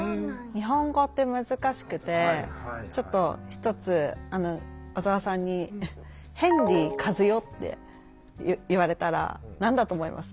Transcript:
日本語って難しくてちょっと一つ小沢さんに「ヘンリーカズヨ」って言われたら何だと思います？